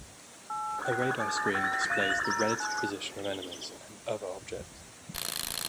A radar screen displays the relative position of enemies and other objects.